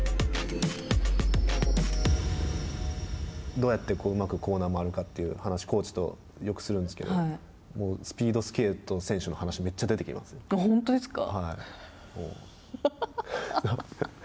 どうやってうまくコーナーを回るかという話をコーチとよくするんですけどスピードスケート選手の話本当ですか。